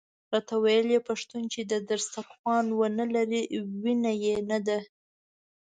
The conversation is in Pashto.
راته ویل یې پښتون چې دسترخوان ونه لري وینه یې نده.